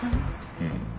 うん。